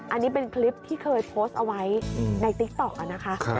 อันนี้เป็นคลิปที่เคยโพสต์เอาไว้ในติ๊กต๊อกนะคะ